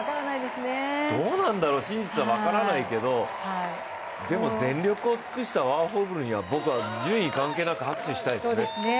どうなんだろう、真実は分からないけどでも、全力を尽くしたワーホルムには僕は順位関係なく拍手をしたいです。